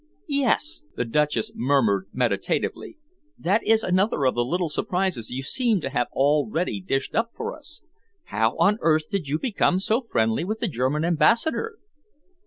"Yes," the Duchess murmured meditatively. "That is another of the little surprises you seem to have all ready dished up for us. How on earth did you become so friendly with the German Ambassador?"